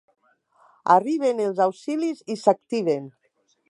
Arriben els auxilis i s'activen.